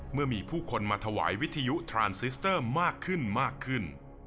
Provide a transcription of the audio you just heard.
เมื่อมีผู้คนมาถวายวิทยุทรานซิสเตอร์มากขึ้นมากขึ้น